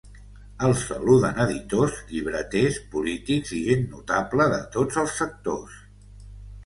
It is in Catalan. El saluden editors, llibreters, polítics i gent notable de tots els sectors.